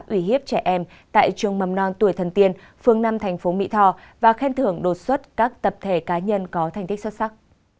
ủy hiếp trẻ em tại trường mầm non tuổi thần tiên phương năm thành phố mỹ tho và khen thưởng đột xuất các tập thể cá nhân có thành tích xuất sắc